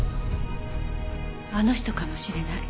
あの人かもしれない。